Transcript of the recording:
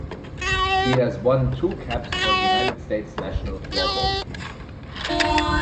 He has won two caps for the United States national floorball team.